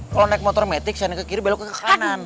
kalau naik motor metik saya naik ke kiri beloknya ke kanan